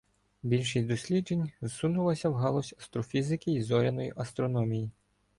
Більшість досліджень зсунулася в галузь астрофізики й зоряної астрономії.